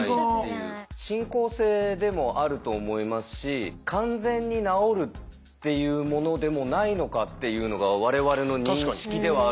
進行性でもあると思いますし完全に治るっていうものでもないのかっていうのが我々の認識ではあるんですね。